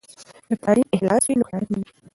که تعلیم اخلاص وي، نو خیانت نه وي.